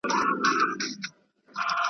چي زه دي ساندي اورېدلای نه سم .